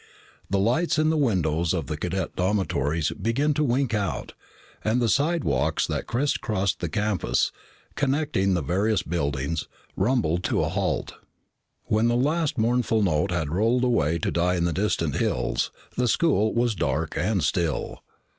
the lights in the windows of the cadet dormitories began to wink out and the slidewalks that crisscrossed the campus, connecting the various buildings, rumbled to a halt. When the last mournful note had rolled away to die in the distant hills, the school was dark and still.